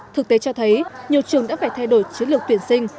thực tế cho thấy nhiều trường đã phải thay đổi chiến lược tuyển sinh